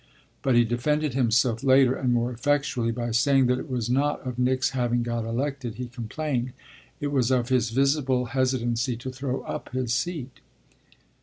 but he defended himself later and more effectually by saying that it was not of Nick's having got elected he complained: it was of his visible hesitancy to throw up his seat.